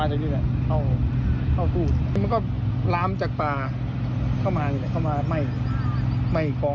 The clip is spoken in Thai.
โหโหโหโหูชอาบศาตรี